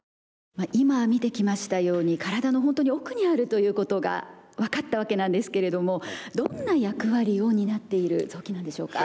今見てきましたように体のほんとに奥にあるということが分かったわけなんですけれどもどんな役割を担っている臓器なんでしょうか。